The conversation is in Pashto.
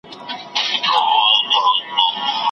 دوی له پخوا د نویو کتابونو د لیکلو هڅه کوله.